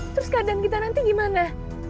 terus keadaan kita nanti gimana